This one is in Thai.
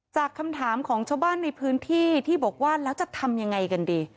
จากคำถามของชาวบ้านในพื้นที่ที่บอกว่าแล้วจะทำยังไงกันดี